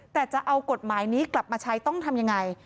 แต่จะเอากฎหมายนี้กลับมาใช้ต้องทำยังไง